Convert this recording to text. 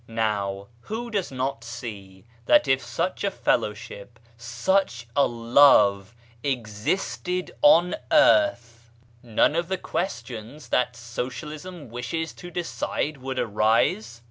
Now, who does not see that if such a fellowship, such a love, existed on earth, none of the THE TRUE RELIGION 109 questions that socialism wishes to decide would arise